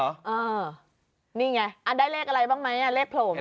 เออนี่ไงได้เลขอะไรบ้างไหมเลขโผล่